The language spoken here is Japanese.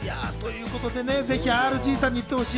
是非ＲＧさんに言ってほしい。